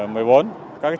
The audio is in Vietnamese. các trạm đã lắp đặt